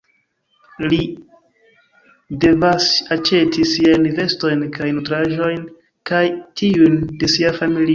Li devasj aĉeti siajn vestojn kaj nutraĵojn kaj tiujn de sia familio.